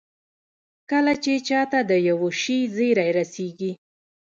کله چې چا ته د يوه شي زېری رسېږي.